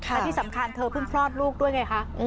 และที่สำคัญเธอเพิ่งคลอดลูกด้วยไงคะ